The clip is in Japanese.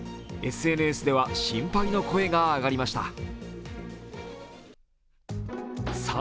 ＳＮＳでは心配の声が上がりました。